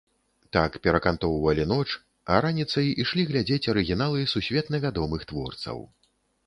Так перакантоўвалі ноч, а раніцай ішлі глядзець арыгіналы сусветна вядомых творцаў.